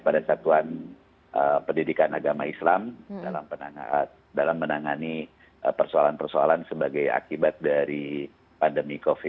pada satuan pendidikan agama islam dalam menangani persoalan persoalan sebagai akibat dari pandemi covid sembilan belas